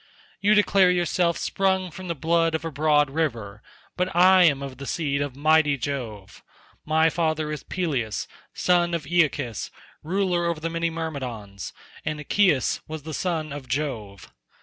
You declare yourself sprung from the blood of a broad river, but I am of the seed of mighty Jove. My father is Peleus, son of Aeacus ruler over the many Myrmidons, and Aeacus was the son of Jove.